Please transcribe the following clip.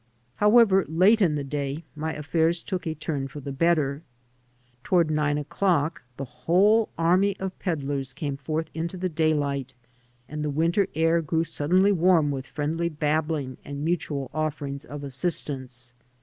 However, late in the day my affairs took a turn f oF the better. Toward nine o'clock the whole army of peddlers came forth into the daylight, and the winter air grew suddenly warm with friendly babbling and mutual offerings of assistance.